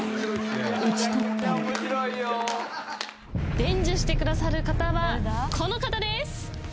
討ち取ったり］伝授してくださる方はこの方です。